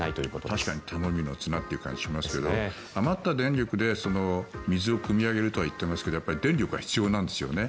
確かに頼みの綱という感じがしますけど余った電力で水をくみ上げるとは言っていますが電力は必要なんですよね。